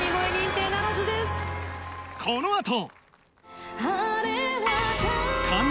このあと。